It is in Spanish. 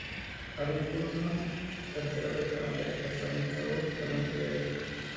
Abbie Putnam: Tercera esposa de Ephraim Cabot y amante de Eben.